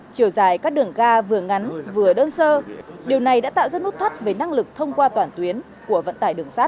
chiều dài các đường ga vừa ngắn vừa đơn sơ điều này đã tạo ra nút thắt về năng lực thông qua toàn tuyến của vận tải đường sắt